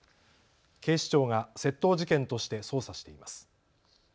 警視庁が窃盗事件として捜査しています。